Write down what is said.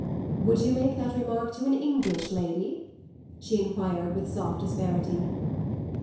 "Would you make that remark to an English lady?" she enquired with soft asperity.